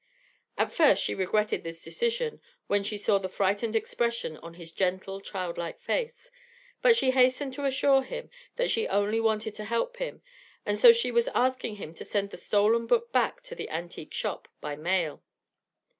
At first she regretted this decision when she saw the frightened expression in his gentle, child like face, but she hastened to assure him that she only wanted to help him, and so she was asking him to send the stolen book back to the antique shop by mail.